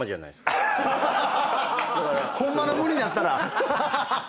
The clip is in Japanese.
ホンマの無になったら。